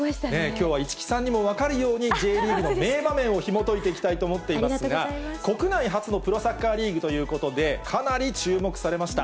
きょうは市來さんにも分かるように、Ｊリーグの名場面をひもといていきたいと思っていますが、国内初のプロサッカーリーグということで、かなり注目されました。